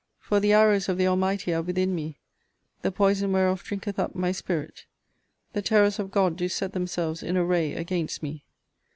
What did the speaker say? For the arrows of the Almighty are within me; the poison whereof drinketh up my spirit. The terrors of God do set themselves in array against me.